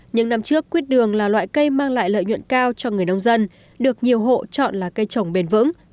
những năm trước quýt đường là loại cây mang lại lợi nhuận cao cho người nông dân được nhiều hộ chọn là cây trồng bền vững